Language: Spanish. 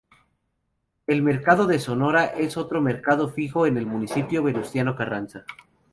El Mercado de Sonora es otro mercado fijo en el municipio Venustiano Carranza.